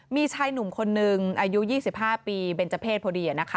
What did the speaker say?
มีชายหนุ่มคนนึงอายุ๒๕ปีเบญจเพศพอดี